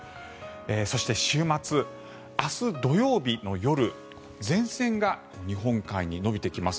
そして、週末明日土曜日の夜前線が日本海に延びてきます。